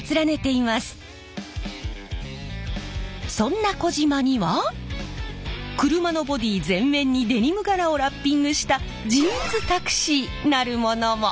そんな児島には車のボディー全面にデニム柄をラッピングしたジーンズタクシーなるものも！